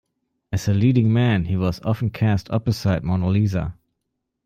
As a leading man, he was often cast opposite Mona Lisa.